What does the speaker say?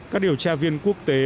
các điều tra viên quốc tế